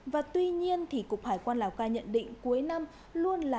và tuy nhiên thì cục hải quan lào cai nhận định cuối năm luôn là